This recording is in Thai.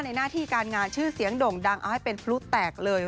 หน้าที่การงานชื่อเสียงด่งดังเอาให้เป็นพลุแตกเลย